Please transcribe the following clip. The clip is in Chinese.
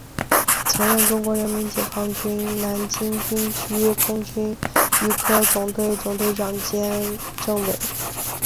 曾任中国人民解放军南京军区空军预科总队总队长兼政委。